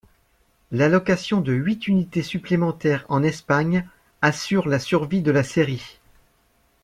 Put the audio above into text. La location de huit unités supplémentaires en Espagne assure la survie de la série.